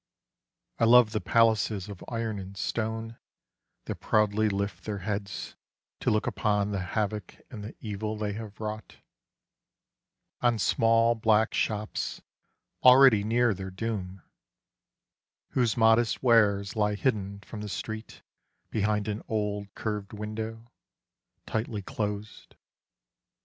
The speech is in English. I love the palaces of iron and stone That proudly lift their heads to look upon The havoc and the evil they have wrought, On small black shops already near their doom, Whose modest wares lie hidden from the street Behind an old curved window, tightly closed.